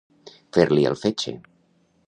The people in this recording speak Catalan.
Fer-li el fetge.